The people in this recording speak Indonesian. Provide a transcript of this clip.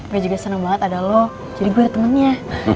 gue juga senang banget ada lo jadi gue ada temennya